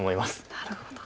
なるほど。